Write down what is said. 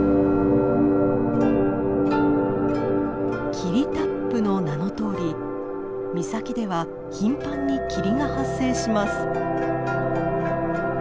霧多布の名のとおり岬では頻繁に霧が発生します。